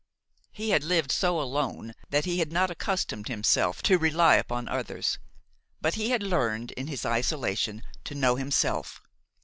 He had lived so alone that he had not accustomed himself to rely upon others; but he had learned, in his isolation, to know himself.